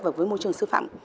được với môi trường sư phạm